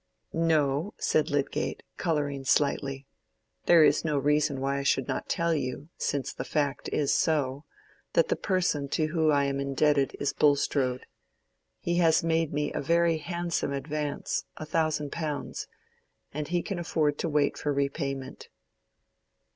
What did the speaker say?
"No," said Lydgate, coloring slightly. "There is no reason why I should not tell you—since the fact is so—that the person to whom I am indebted is Bulstrode. He has made me a very handsome advance—a thousand pounds—and he can afford to wait for repayment."